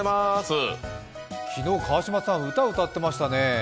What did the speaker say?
昨日川島さん歌歌ってましたね。